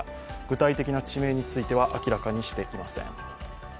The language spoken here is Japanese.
具体的な地名については明らかにしていません。